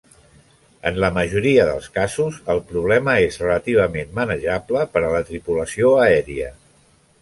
En la majoria dels casos, el problema és relativament manejable per a la tripulació aèria.